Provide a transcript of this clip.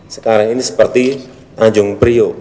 sekarang ini seperti tanjung priok